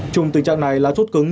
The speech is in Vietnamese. chúng tình trạng này là một trường hợp